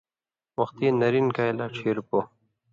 وختی نِرینیۡ کائ لا چھیر پو